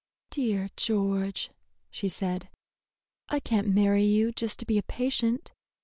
"Dear George," she said, "I can't marry you just to be a patient.